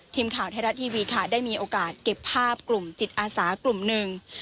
ทีมข่าวไทยรัฐทีวีค่ะได้มีโอกาสเก็บภาพกลุ่มจิตอาสากลุ่มหนึ่ง